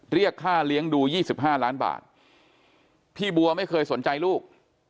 เรียกค่าเลี้ยงดู๒๕ล้านบาทพี่บัวไม่เคยสนใจลูก